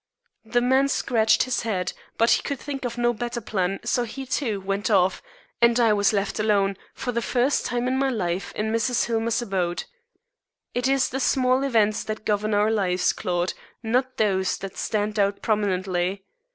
The man scratched his head, but he could think of no better plan, so he, too, went off, and I was left alone, for the first time in my life, in Mrs. Hillmer's abode. It is the small events that govern our lives, Claude, not those that stand out prominently.